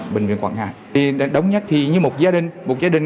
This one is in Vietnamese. bệnh viện quảng ngãi